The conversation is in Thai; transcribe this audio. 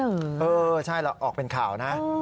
เออใช่เราออกเป็นข่าวนะ